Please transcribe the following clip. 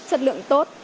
sất lượng tốt